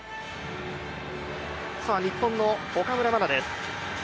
日本の岡村真です。